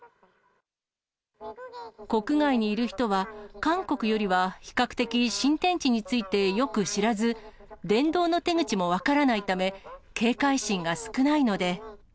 国外にいる人は、韓国よりは比較的新天地についてよく知らず、伝道の手口も分からないため、警戒心が少ないので。